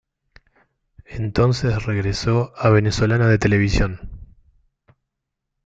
Entonces regresó a Venezolana de Televisión.